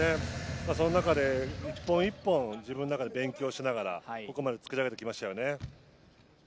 その中で１本１本自分の中で勉強しながらここまで作り上げてきましたよね。